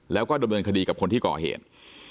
แล้วก็ดำเนินคดีกับคนที่ก่อเหตุ